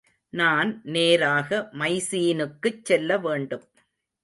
நான் நேராக மைசீனுக்குச் செல்ல வேண்டும்!